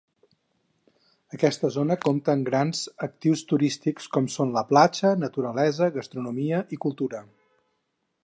Aquesta zona compta amb grans actius turístics com són la platja, naturalesa, gastronomia i cultura.